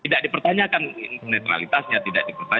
tidak dipertanyakan netralitasnya tidak ada yang menyebutkan